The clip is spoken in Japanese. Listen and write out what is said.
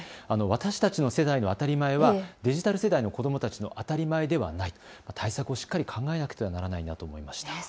私たちの世代の当たり前はデジタル世代の子どもたちの当たり前ではなく、対策をしっかり考えないとと思いました。